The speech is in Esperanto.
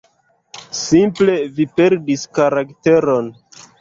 Simple vi perdis karakteron.“